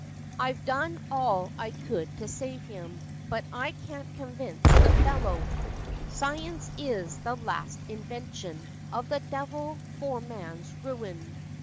I 've done all I could to save him, But I can't convince the fellow. Science is the last invention Of the devil for man's ruin.